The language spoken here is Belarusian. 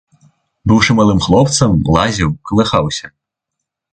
Быўшы малым хлопцам, лазіў, калыхаўся.